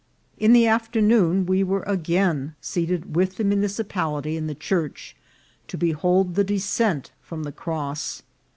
In the afternoon we were again seated with the mu nicipality in the church, to behold the descent from the cross.